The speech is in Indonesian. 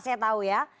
saya tahu ya